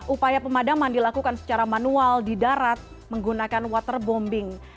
upaya pemadaman dilakukan secara manual di darat menggunakan waterbombing